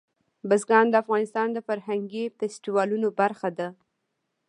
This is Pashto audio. بزګان د افغانستان د فرهنګي فستیوالونو برخه ده.